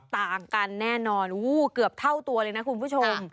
ต่างกันแน่นอนเกือบเท่าตัวเลยนะคุณผู้ชม